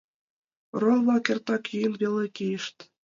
Орол-влак эртак йӱын веле кийышт.